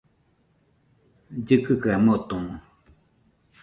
Llɨkɨka motomo